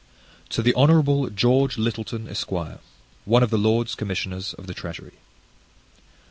To the Honourable GEORGE LYTTLETON, ESQ; One of the Lords Commissioners of the Treasury.